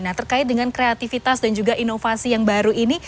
nah terkait dengan kreativitas dan juga inovasi yang baru ini